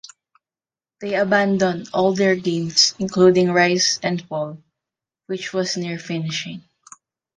They abandoned all their games, including "Rise and Fall", which was near finishing.